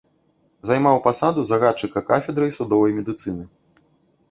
Займаў пасаду загадчыка кафедрай судовай медыцыны.